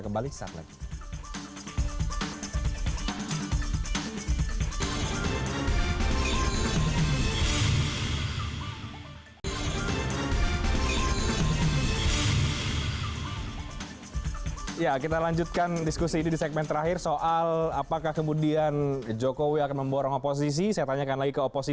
kami akan segera kembali